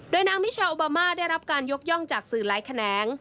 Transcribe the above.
โดยนางมิชาโอบามาได้รับการยกย่องจากสื่อหลายแขนง